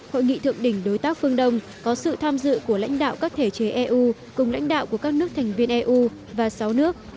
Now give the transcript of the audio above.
hội nghị thượng đỉnh đối tác phương đông có sự tham dự của lãnh đạo các thể chế eu cùng lãnh đạo của các nước thành viên eu và sáu nước